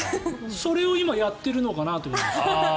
それを今やってるのかなと思った。